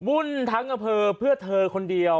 บุญทั้งกับเธอเพื่อเธอคนเดียว